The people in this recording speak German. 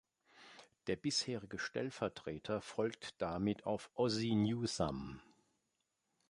Der bisherige Stellvertreter folgt damit auf Ozzie Newsome.